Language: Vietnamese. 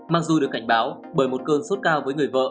mặc dù được cảnh báo bởi một cơn sốt cao với người vợ